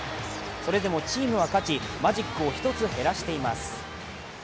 それでもチームは勝ち、マジックを１つ減らしています。